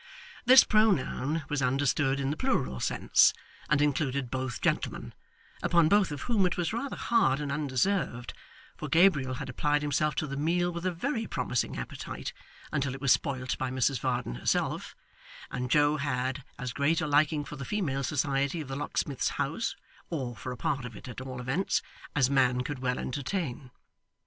This pronoun was understood in the plural sense, and included both gentlemen, upon both of whom it was rather hard and undeserved, for Gabriel had applied himself to the meal with a very promising appetite, until it was spoilt by Mrs Varden herself, and Joe had as great a liking for the female society of the locksmith's house or for a part of it at all events as man could well entertain.